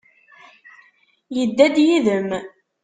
Yedda-d yid-m?